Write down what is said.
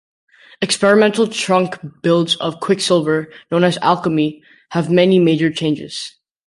Experimental trunk builds of Quicksilver, known as "Alchemy", have many major changes.